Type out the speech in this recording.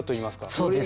そうです。